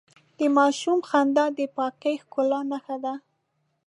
د ماشوم خندا د پاکې ښکلا نښه ده.